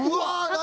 何？